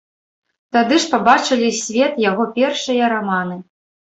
Тады ж пабачылі свет яго першыя раманы.